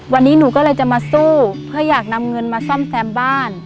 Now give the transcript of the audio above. วันนี้หนูก็เลยจะมาสู้เพื่ออยากนำเงินมาซ่อมแซมบ้าน